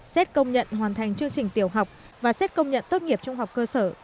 xét công nhận hoàn thành chương trình tiểu học và xét công nhận tốt nghiệp trung học cơ sở